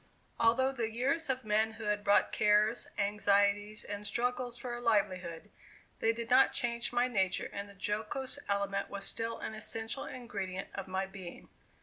Although the years of manhood brought cares, anxieties, and struggles for a livelihood, they did not change my nature and the jocose element was still an essential ingredient of my being.